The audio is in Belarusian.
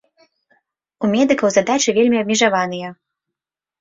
У медыкаў задачы вельмі абмежаваныя.